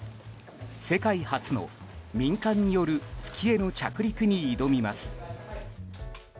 世界初の民間による月への着陸に挑みます。